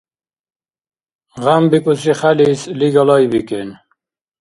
ГъямбикӀуси хялис лига лайбикӀен.